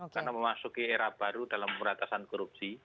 karena memasuki era baru dalam meratasan korupsi